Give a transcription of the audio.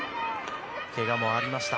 けがもありました。